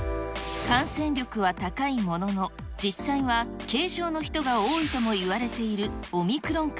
感染力は高いものの、実際は軽症の人が多いともいわれているオミクロン株。